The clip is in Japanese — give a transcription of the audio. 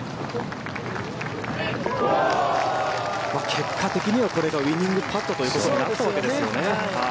結果的にはこれがウィニングパットということになったわけですね。